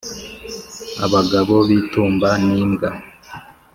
abagabo bi tumba nimbwa